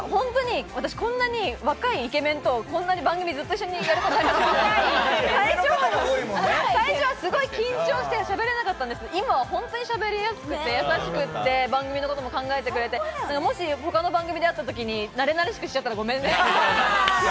こんなに若いイケメンと番組をずっとやることはないので、最初はすごい緊張してしゃべれなかったんですけれど、今はしゃべりやすくて優しくて、番組のことも考えてくれて、他の番組で会ったときに慣れ慣れしくしちゃったらごめんね。